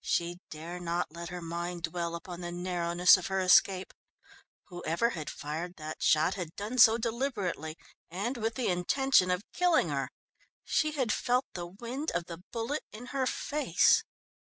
She dare not let her mind dwell upon the narrowness of her escape. Whoever had fired that shot had done so deliberately, and with the intention of killing her. She had felt the wind of the bullet in her face.